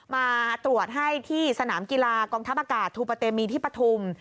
มาตรวจให้ที่สนามกีฬากองทัพอากาศทูปะเตมีที่ปฐุม